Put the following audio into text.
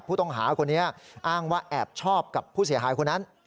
ผู้ต้องหาคนนี้อ้างว่าแอบชอบกับผู้เสียหายคนนั้น